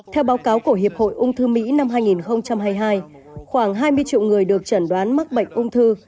theo báo cáo của hiệp hội ung thư mỹ năm hai nghìn hai mươi hai khoảng hai mươi triệu người được chẩn đoán mắc bệnh ung thư